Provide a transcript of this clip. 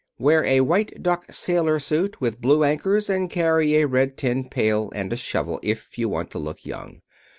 Wear a white duck sailor suit with blue anchors and carry a red tin pail and a shovel, if you want to look young.